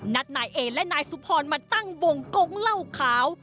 นายเอและนายสุพรมาตั้งวงกงเหล้าขาว